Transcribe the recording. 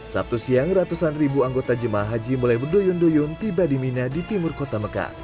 sabtu siang ratusan ribu anggota jemaah haji mulai berduyun duyun tiba di mina di timur kota mekah